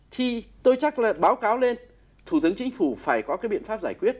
thì tôi chắc là báo cáo lên thủ tướng chính phủ phải có cái biện pháp giải quyết